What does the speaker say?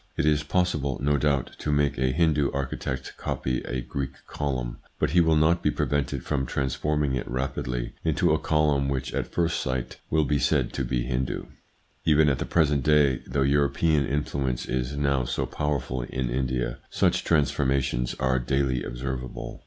It is possible, no doubt, to make a Hindu architect copy a Greek column, but he will not be prevented from transforming it rapidly into a column which at first sight will be said to be Hindu. Even at the present day, though European influence is now so powerful in India, such transformations are daily observable.